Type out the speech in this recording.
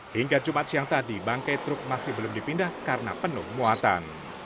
hingga jumat siang tadi bangkai truk masih belum dipindah karena penuh muatan